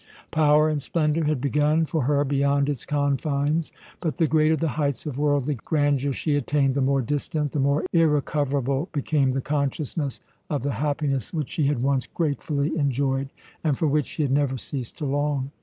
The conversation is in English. Power and splendour had begun for her beyond its confines, but the greater the heights of worldly grandeur she attained, the more distant, the more irrecoverable became the consciousness of the happiness which she had once gratefully enjoyed, and for which she had never ceased to long.